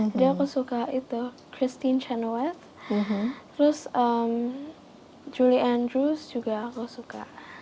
jadi aku suka christine chenoweth terus julie andrews juga aku suka